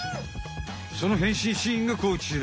その変身シーンがこちら。